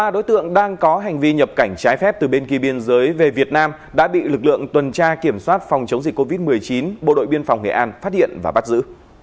ba đối tượng đang có hành vi nhập cảnh trái phép từ bên kia biên giới về việt nam đã bị lực lượng tuần tra kiểm soát phòng chống dịch covid một mươi chín bộ đội biên phòng nghệ an phát hiện và bắt giữ